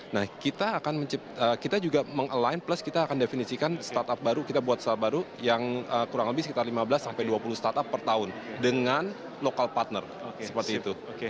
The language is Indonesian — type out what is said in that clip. nah kita akan menciptakan kita juga meng align plus kita akan definisikan startup baru kita buat startup baru yang kurang lebih sekitar lima belas sampai dua puluh startup per tahun dengan local partner seperti itu